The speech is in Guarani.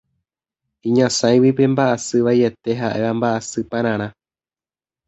iñasãigui pe mba'asy vaiete ha'éva mba'asypararã